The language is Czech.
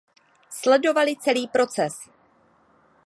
Sledovali celý proces.